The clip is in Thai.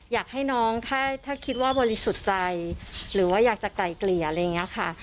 อยากให้น้องถ้าคิดว่าบริสุทธิ์ใจหรือว่าอยากจะไกลเกลี่ยอะไรอย่างนี้ค่ะ